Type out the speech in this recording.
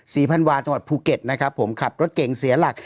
ศรีพันวาจังหวัดภูเก็ตขับรถเกงเสียหลัก